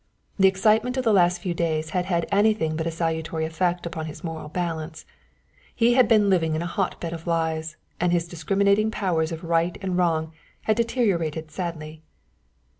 The excitement of the last few days had had anything but a salutary effect upon his moral balance; he had been living in a hot bed of lies, and his discriminating powers of right and wrong had deteriorated sadly.